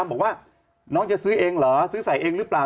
บอกว่าน้องจะซื้อเองเหรอซื้อใส่เองหรือเปล่า